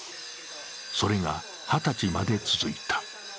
それが二十歳まで続いた。